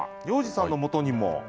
要次さんのもとにも。